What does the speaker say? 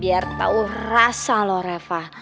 biar tahu rasa loh reva